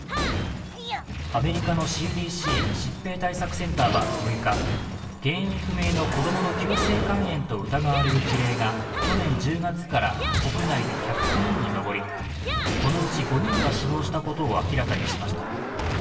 アメリカのＣＤＣ＝疾病対策センターは６日、原因不明の子供の急性肝炎と疑われる事例が去年１０月から国内で１０９人に上り、このうち５人が死亡したことを明らかにしました。